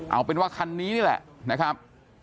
เอาเป็นว่าคันนี้นี่แหละนะครับ